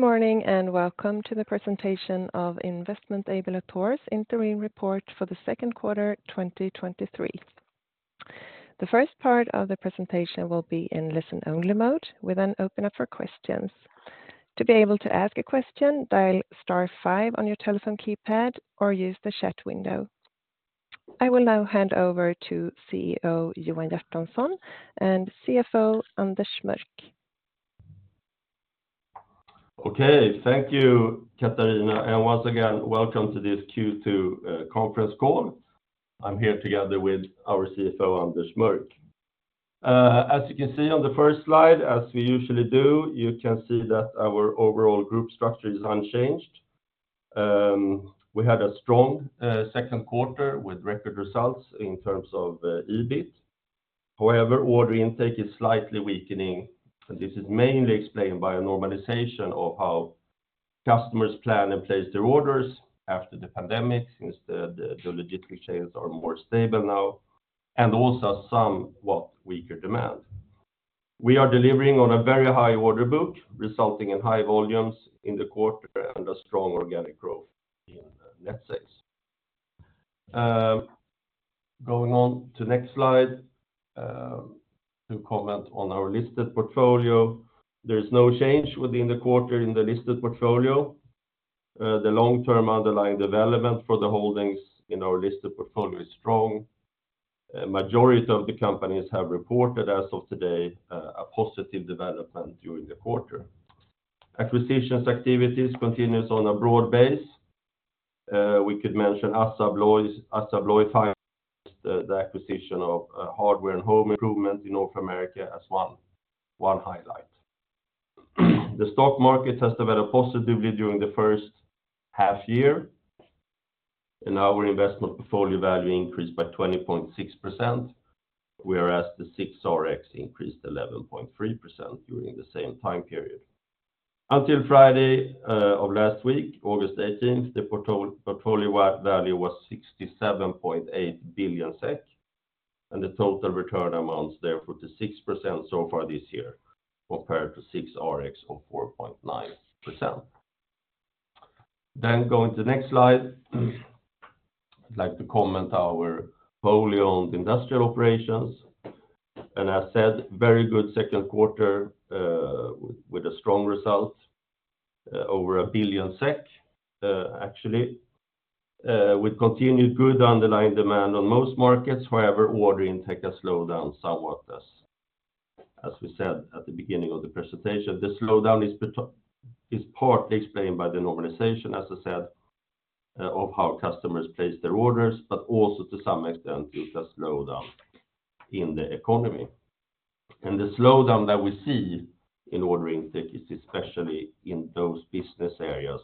Good morning, welcome to the presentation of Investment AB Latour's interim report for the Q2, 2023. The first part of the presentation will be in listen-only mode. We open up for questions. To be able to ask a question, dial star five on your telephone keypad or use the chat window. I will now hand over to CEO Johan Hjertonsson and CFO Anders Mörck. Okay, thank you, Katarina, and once again, welcome to this Q2 conference call. I'm here together with our CFO, Anders Mörck. As you can see on the first slide, as we usually do, you can see that our overall group structure is unchanged. We had a strong Q2 with record results in terms of EBIT. However, order intake is slightly weakening, and this is mainly explained by a normalization of how customers plan and place their orders after the pandemic, since the logistics chains are more stable now, and also somewhat weaker demand. We are delivering on a very high order book, resulting in high volumes in the quarter and a strong organic growth in net sales. Going on to next slide, to comment on our listed portfolio. There is no change within the quarter in the listed portfolio. The long-term underlying development for the holdings in our listed portfolio is strong. A majority of the companies have reported, as of today, a positive development during the quarter. Acquisitions activities continue on a broad base. We could mention ASSA ABLOY. ASSA ABLOY finalized the acquisition of Hardware and Home Improvement in North America as one highlight. The stock market has developed positively during the H1 year, and our investment portfolio value increased by 20.6%, whereas the SIXRX increased 11.3% during the same time period. Until Friday of last week, August 18th, the portfolio value was 67.8 billion SEK, and the total return amounts therefore to 6% so far this year, compared to SIXRX of 4.9%. Going to the next slide. I'd like to comment our wholly owned industrial operations, and as said, very good Q2, with a strong result, over 1 billion SEK, actually, with continued good underlying demand on most markets. However, order intake has slowed down somewhat as we said at the beginning of the presentation. The slowdown is partly explained by the normalization, as I said, of how customers place their orders, but also to some extent, due to slowdown in the economy. The slowdown that we see in order intake is especially in those business areas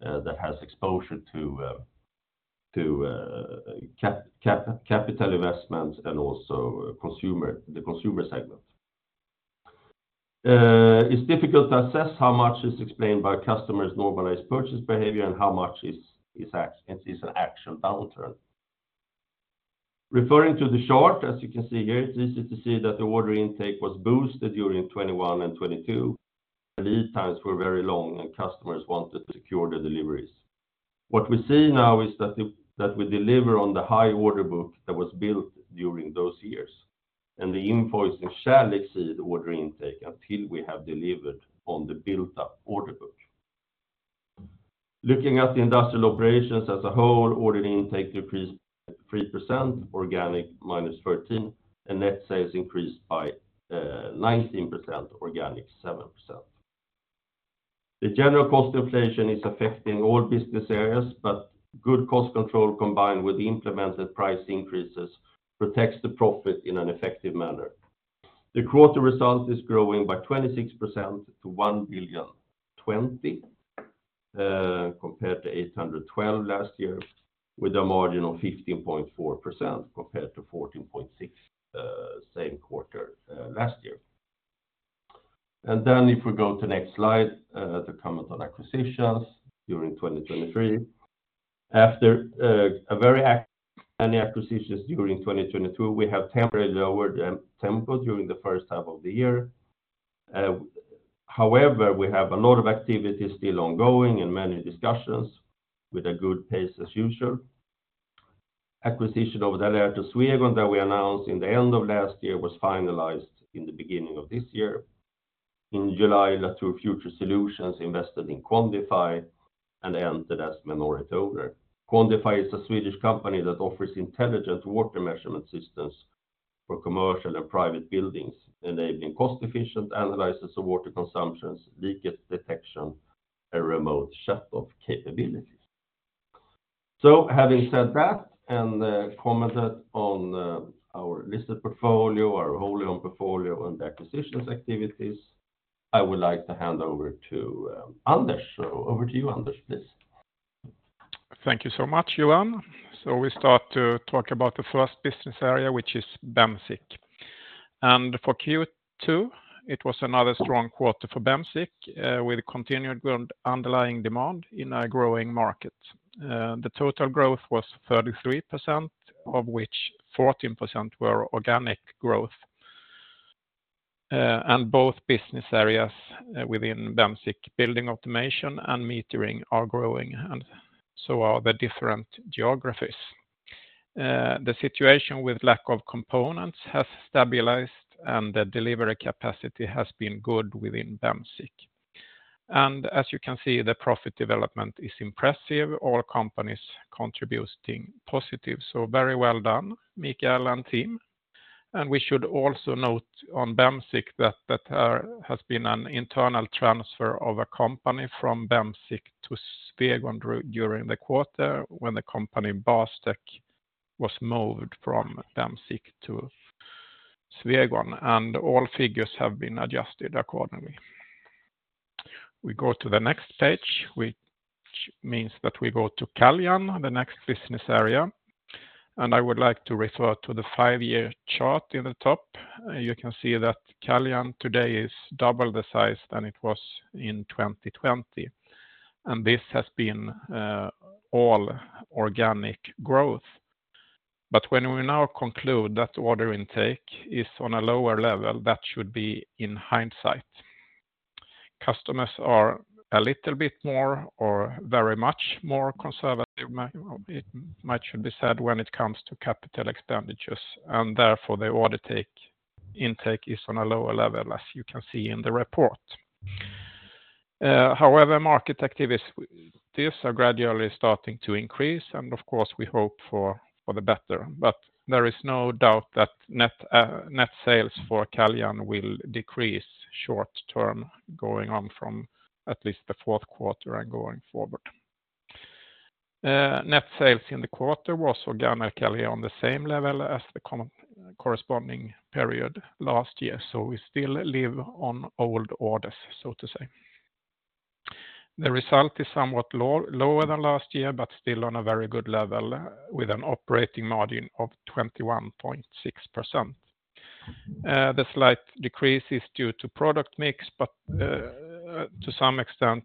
that has exposure to capital investment and also consumer, the consumer segment. It's difficult to assess how much is explained by customers' normalized purchase behavior and how much is an actual downturn. Referring to the chart, as you can see here, it's easy to see that the order intake was boosted during 2021 and 2022, and lead times were very long, and customers wanted to secure the deliveries. What we see now is that we deliver on the high order book that was built during those years, and the invoicing shall exceed order intake until we have delivered on the built-up order book. Looking at the industrial operations as a whole, order intake increased 3%, organic -13%, and net sales increased by 19%, organic 7%. The general cost inflation is affecting all business areas, but good cost control, combined with implemented price increases, protects the profit in an effective manner. The quarter result is growing by 26% to 1.02 billion compared to 812 million last year, with a margin of 15.4% compared to 14.6% same quarter last year. If we go to next slide to comment on acquisitions during 2023. After a very active acquisitions during 2022, we have temporarily lowered the tempo during the H1 of the year. However, we have a lot of activities still ongoing and many discussions with a good pace as usual. Acquisition of Dalerte Sverige, that we announced in the end of last year, was finalized in the beginning of this year. In July, Latour Future Solutions invested in Quandify and ended as minority owner. Quandify is a Swedish company that offers intelligent water measurement systems for commercial and private buildings, enabling cost-efficient analysis of water consumptions, leakage detection, and remote shut off capabilities. Having said that, and commented on our listed portfolio, our wholly owned portfolio, and the acquisitions activities, I would like to hand over to Anders. Over to you, Anders, please. Thank you so much, Johan. We start to talk about the first business area, which is Bemsiq. For Q2, it was another strong quarter for Bemsiq, with continued good underlying demand in a growing market. The total growth was 33%, of which 14% were organic growth.... And both business areas within Bemsiq, building automation and metering are growing, and so are the different geographies. The situation with lack of components has stabilized, and the delivery capacity has been good within Bemsiq. As you can see, the profit development is impressive. All companies contributing positive, so very well done, Mikael and team. We should also note on Bemsiq that, that has been an internal transfer of a company from Bemsiq to Swegon during the quarter, when the company Barstek was moved from Bemsiq to Swegon, and all figures have been adjusted accordingly. We go to the next page, which means that we go to Caljan, the next business area, and I would like to refer to the five-year chart in the top. You can see that Caljan today is double the size than it was in 2020, and this has been all organic growth. When we now conclude that order intake is on a lower level, that should be in hindsight. Customers are a little bit more or very much more conservative, it much should be said, when it comes to capital expenditures, and therefore, the intake is on a lower level, as you can see in the report. However, market activities, these are gradually starting to increase, and of course, we hope for, for the better. There is no doubt that net net sales for Caljan will decrease short term, going on from at least the Q4 and going forward. Net sales in the quarter was organically on the same level as the corresponding period last year. We still live on old orders, so to say. The result is somewhat low, lower than last year, but still on a very good level, with an operating margin of 21.6%. The slight decrease is due to product mix, to some extent,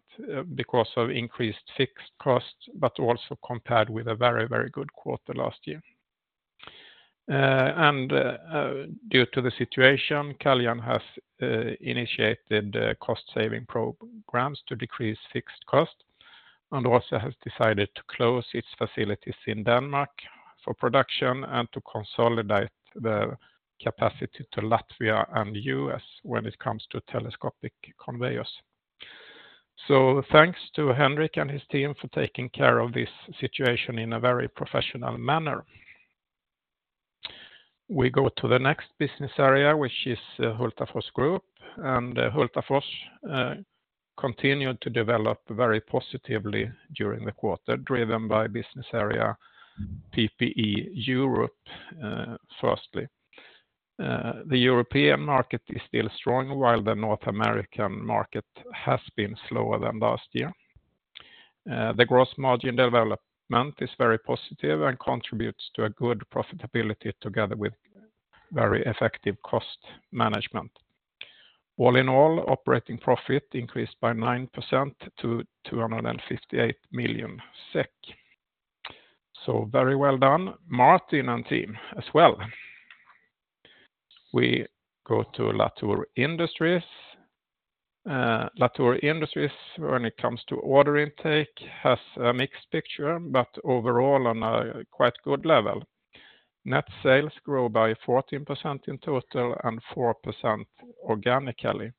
because of increased fixed costs, also compared with a very, very good quarter last year. Due to the situation, Caljan has initiated cost saving programs to decrease fixed cost and also has decided to close its facilities in Denmark for production and to consolidate the capacity to Latvia and US when it comes to telescopic conveyors. Thanks to Henrik and his team for taking care of this situation in a very professional manner. We go to the next business area, which is Hultafors Group. Hultafors continued to develop very positively during the quarter, driven by business area PPE Europe, firstly. The European market is still strong, while the North American market has been slower than last year. The gross margin development is very positive and contributes to a good profitability together with very effective cost management. All in all, operating profit increased by 9% to 258 million SEK. Very well done, Martin and team as well. We go to Latour Industries. Latour Industries, when it comes to order intake, has a mixed picture, but overall on a quite good level. Net sales grow by 14% in total and 4% organically.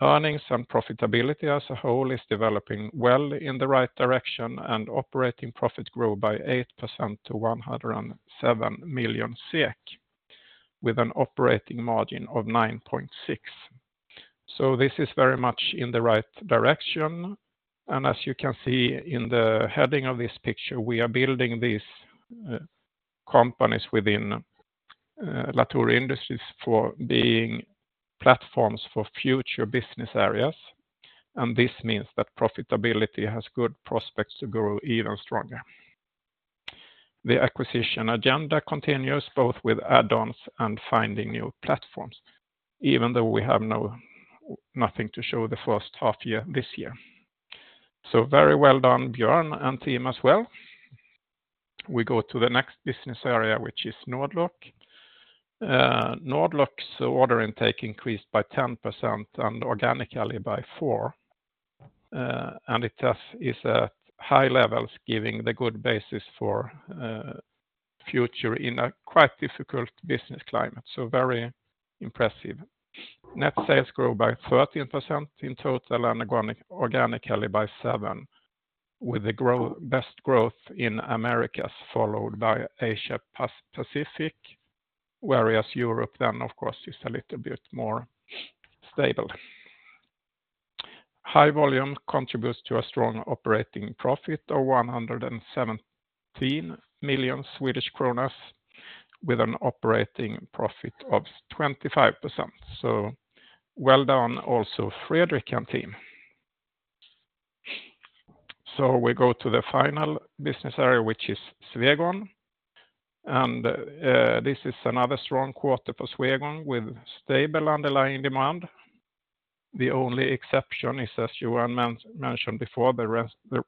Earnings and profitability as a whole is developing well in the right direction, and operating profit grow by 8% to 107 million SEK, with an operating margin of 9.6. This is very much in the right direction, and as you can see in the heading of this picture, we are building these companies within Latour Industries for being platforms for future business areas, and this means that profitability has good prospects to grow even stronger. The acquisition agenda continues, both with add-ons and finding new platforms, even though we have no, nothing to show the H1 year, this year. Very well done, Björn and team as well. We go to the next business area, which is Nord-Lock. Nord-Lock's order intake increased by 10% and organically by 4%, and it is at high levels, giving the good basis for future in a quite difficult business climate, very impressive. Net sales grow by 13% in total and organically by 7%, with the best growth in Americas, followed by Asia-Pacific, whereas Europe then, of course, is a little bit more stable. High volume contributes to a strong operating profit of 117 million Swedish kronor with an operating profit of 25%. Well done, also, Fredrik and team. We go to the final business area, which is Swegon, and this is another strong quarter for Swegon, with stable underlying demand. The only exception is, as Johan mentioned before, the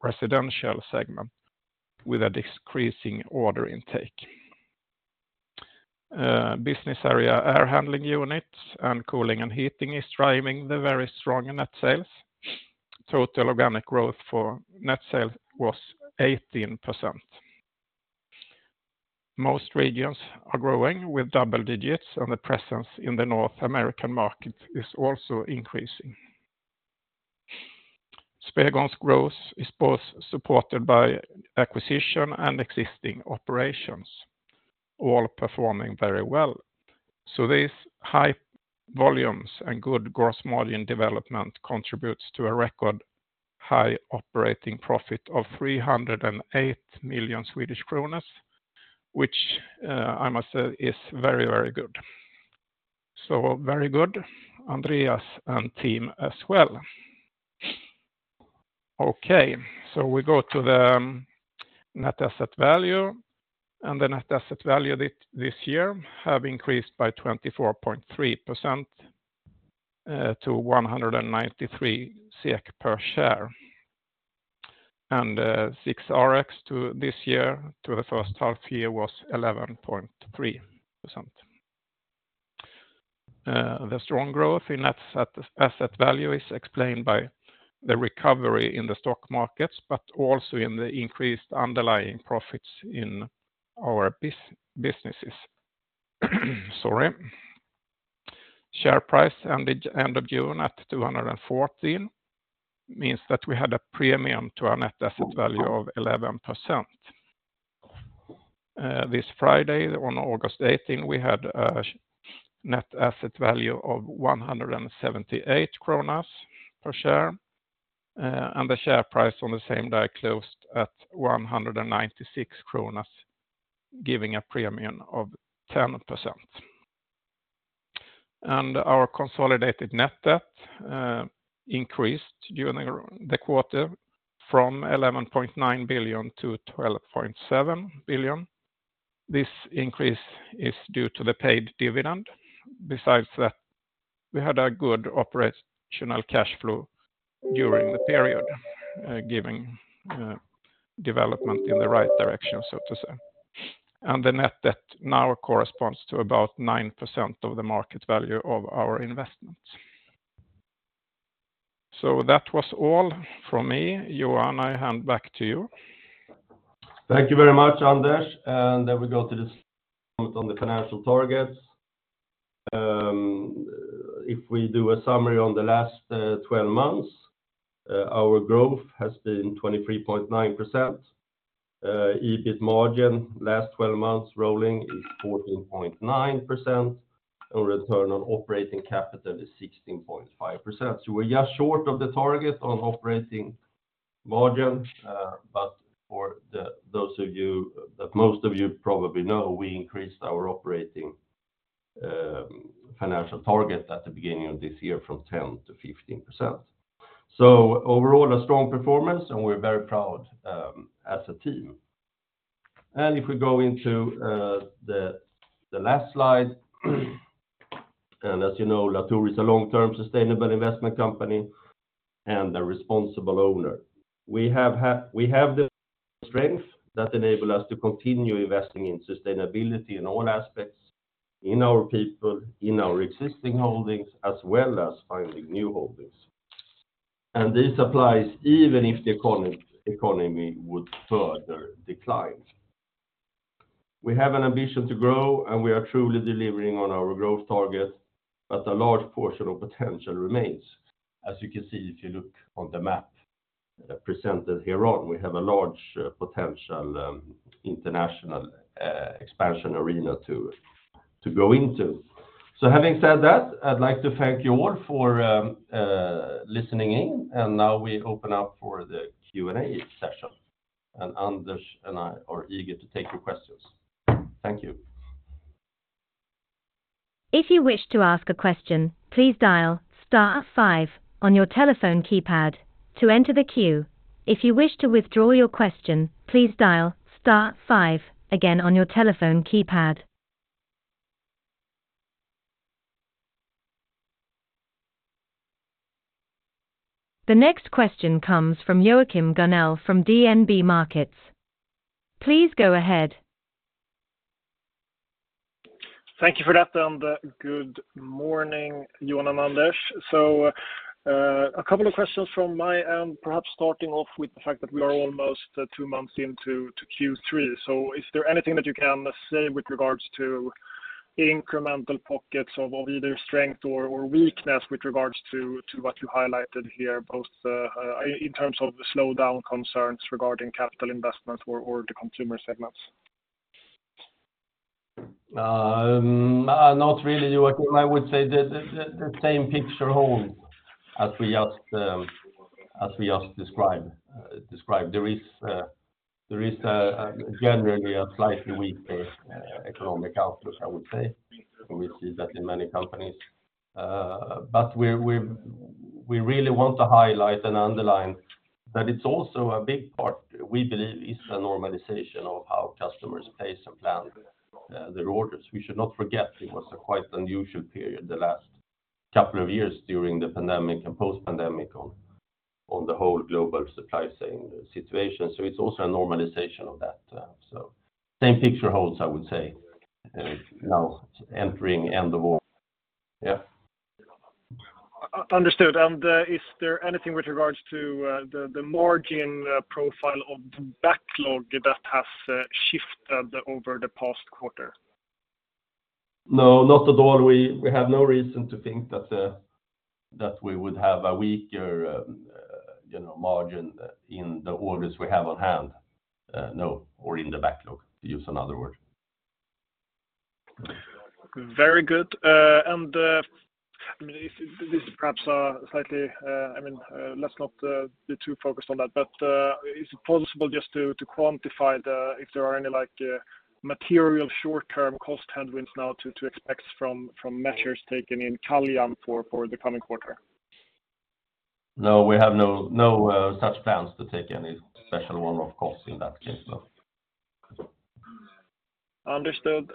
residential segment with a decreasing order intake. Business area, air handling units and cooling and heating is driving the very strong net sales. Total organic growth for net sales was 18%. Most regions are growing with double digits, and the presence in the North American market is also increasing. Swegon's growth is both supported by acquisition and existing operations, all performing very well. These high volumes and good gross margin development contributes to a record high operating profit of 308 million Swedish kronor, which, I must say is very, very good. Very good, Andreas and team as well. Okay, we go to the net asset value. The net asset value this year have increased by 24.3%, to 193 SEK per share. SIXRX to this year, to the H1 year was 11.3%. The strong growth in net asset value is explained by the recovery in the stock markets. Also, in the increased underlying profits in our businesses. Sorry. Share price ended end of June at 214, means that we had a premium to our net asset value of 11%. This Friday, on August 18, we had a net asset value of 178 kronor per share. The share price on the same day closed at 196 kronor, giving a premium of 10%. Our consolidated net debt increased during the quarter from 11.9 to 12.7 billion. This increase is due to the paid dividend. Besides that, we had a good operational cash flow during the period, giving development in the right direction, so to say. The net debt now corresponds to about 9% of the market value of our investments. That was all from me. Johan, I hand back to you. Thank you very much, Anders. And then we go to the on the financial targets. If we do a summary on the last 12 months, our growth has been 23.9%. EBIT margin, last 12 months rolling is 14.9%, and return on operating capital is 16.5%. So, we're just short of the target on operating margin, but for those of you that most of you probably know, we increased our operating financial target at the beginning of this year from 10 to 15%. So overall, a strong performance, and we're very proud as a team. If we go into the last slide, as you know, Latour is a long-term sustainable investment company and a responsible owner. We have. We have the strength that enable us to continue investing in sustainability in all aspects, in our people, in our existing holdings, as well as finding new holdings. This applies even if the economy would further decline. We have an ambition to grow, and we are truly delivering on our growth target, but a large portion of potential remains. As you can see, if you look on the map presented here on, we have a large potential international expansion arena to go into. Having said that, I'd like to thank you all for listening in, and now we open up for the Q&A session, and Anders and I are eager to take your questions. Thank you. If you wish to ask a question, please dial star 5 on your telephone keypad to enter the queue. If you wish to withdraw your question, please dial star 5 again on your telephone keypad. The next question comes from Joachim Gunell from DNB Markets. Please go ahead. Thank you for that, and good morning, Johan and Anders. A couple of questions from my end, perhaps starting off with the fact that we are almost two months into Q3. Is there anything that you can say with regards to incremental pockets of either strength or weakness with regards to what you highlighted here, both in terms of the slowdown concerns regarding capital investments or the consumer segments? Not really, Joachim. I would say the, the, the same picture whole as we just, as we just described, described. There is, there is, generally a slightly weaker, economic output, I would say, and we see that in many companies. We really want to highlight and underline. It's also a big part, we believe, is a normalization of how customers pace and plan, their orders. We should not forget it was a quite unusual period, the last couple of years during the pandemic and post-pandemic on, on the whole global supply chain situation, so it's also a normalization of that. Same picture holds, I would say, now entering end of all. Yeah? Understood. Is there anything with regards to the margin profile of the backlog that has shifted over the past quarter? No, not at all. We have no reason to think that, that we would have a weaker, you know, margin in the orders we have on hand. No, or in the backlog, to use another word. Very good. I mean, if this is perhaps a slightly... I mean, let's not be too focused on that, but, is it possible just to, to quantify the, if there are any, like, material short-term cost headwinds now to, to expect from, from measures taken in Caljan for, for the coming quarter? No, we have no, no, such plans to take any special one-off costs in that case, no. Understood.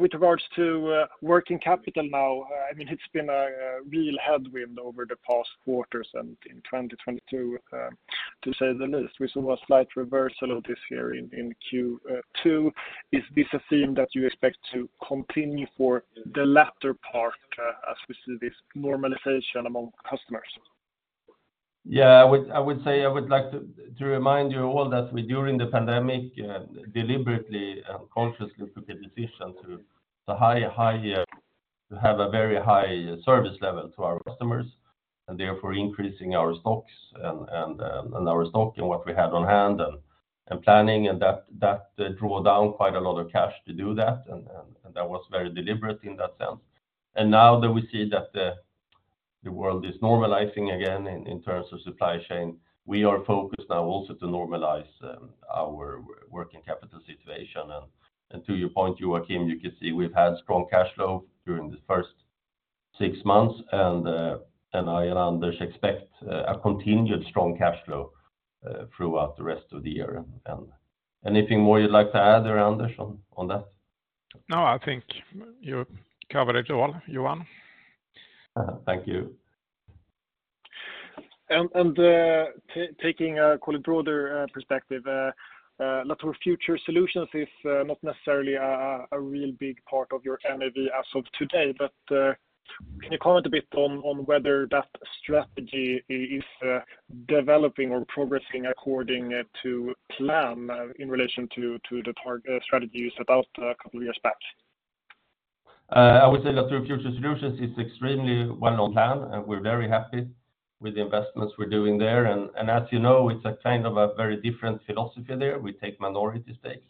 With regards to working capital now, I mean, it's been a real headwind over the past quarters and in 2022, to say the least. We saw a slight reversal of this here in Q2. Is this a theme that you expect to continue for the latter part as we see this normalization among customers? Yeah, I would, I would say I would like to remind you all that we, during the pandemic, deliberately and consciously took a decision to have a very high service level to our customers, and therefore increasing our stocks and, and, and our stock and what we had on hand and, and planning. That, that drew down quite a lot of cash to do that, and, and, and that was very deliberate in that sense. Now that we see that the world is normalizing again in terms of supply chain, we are focused now also to normalize our working capital situation. To your point, Joachim, you can see we've had strong cash flow during the first 6 months, and I and Anders expect a continued strong cash flow throughout the rest of the year. Anything more you'd like to add there, Anders, on, on that? No, I think you covered it all, Johan. Thank you. Taking a, call it, broader, perspective, Latour Future Solutions is not necessarily a real big part of your NAV as of today, but can you comment a bit on whether that strategy is developing or progressing according to plan in relation to the target strategies set out a couple of years back? I would say that Latour Future Solutions is extremely well on plan, and we're very happy with the investments we're doing there. As you know, it's a kind of a very different philosophy there. We take minority stakes,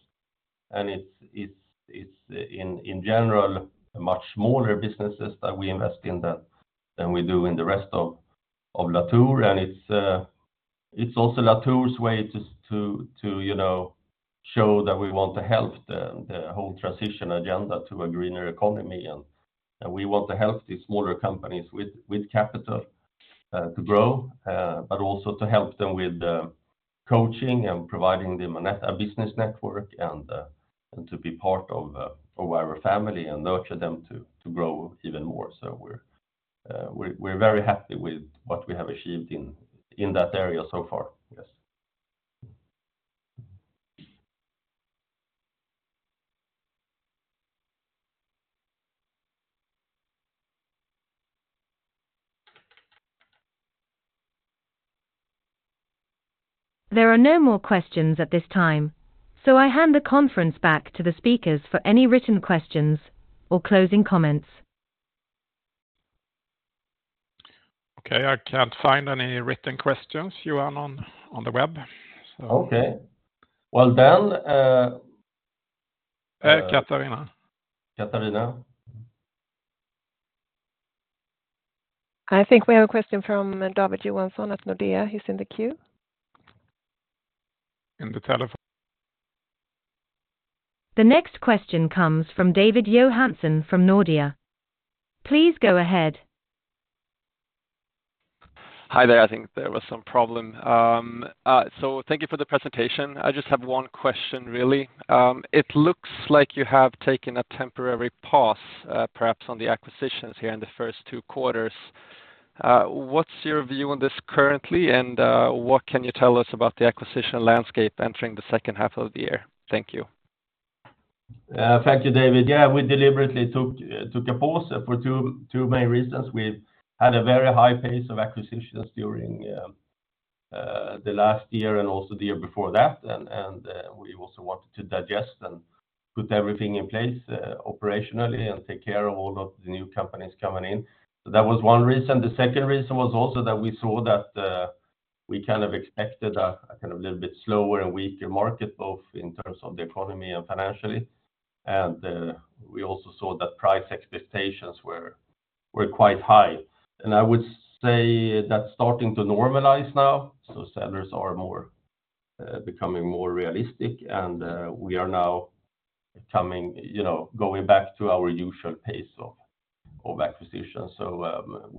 and it's, it's, it's, in, in general, much smaller businesses that we invest in that than we do in the rest of, of Latour. It's also Latour's way to, to, to, you know, show that we want to help the, the whole transition agenda to a greener economy, and we want to help these smaller companies with, with capital to grow, but also to help them with coaching and providing them a business network and to be part of our family and nurture them to, to grow even more. We're, we're very happy with what we have achieved in, in that area so far. Yes. There are no more questions at this time, so I hand the conference back to the speakers for any written questions or closing comments. Okay, I can't find any written questions, Johan, on, on the web, so. Okay. Well, then. Katarina. Katarina? I think we have a question from David Johansson at Nordea. He's in the queue. In the telephone. The next question comes from David Johansson from Nordea. Please go ahead. Hi there. I think there was some problem. Thank you for the presentation. I just have one question, really. It looks like you have taken a temporary pause, perhaps on the acquisitions here in the first two quarters. What's your view on this currently, and what can you tell us about the acquisition landscape entering the H2 of the year? Thank you. Thank you, David. Yeah, we deliberately took a pause for 2 main reasons. We've had a very high pace of acquisitions during the last year and also the year before that, and we also wanted to digest and put everything in place operationally and take care of all of the new companies coming in. That was 1 reason. The second reason was also that we saw that we kind of expected a kind of little bit slower and weaker market, both in terms of the economy and financially. We also saw that price expectations were quite high. I would say that's starting to normalize now, so sellers are more becoming more realistic, and we are now coming. You know, going back to our usual pace of acquisition.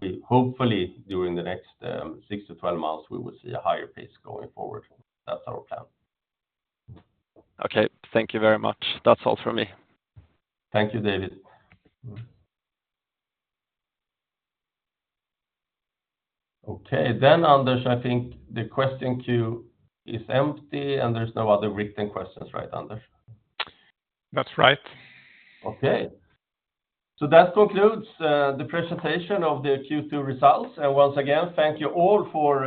We hopefully, during the next 6 to 12 months, we will see a higher pace going forward. That's our plan. Okay. Thank you very much. That's all from me. Thank you, David. Okay, Anders, I think the question queue is empty, and there's no other written questions, right, Anders? That's right. Okay. That concludes the presentation of the Q2 results. Once again, thank you all for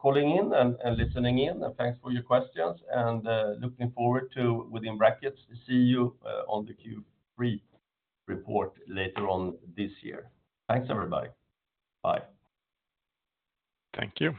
calling in and listening in, and thanks for your questions, and looking forward to, within brackets, to see you on the Q3 report later on this year. Thanks, everybody. Bye. Thank you.